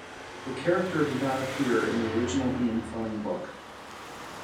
The character did not appear in the original Ian Fleming book.